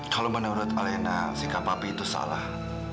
kalau menurut alena sikap papi itu salah